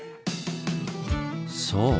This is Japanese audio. そう！